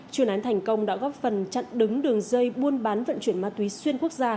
chuyên án thành công đã góp phần chặn đứng đường dây buôn bán vận chuyển ma túy xuyên quốc gia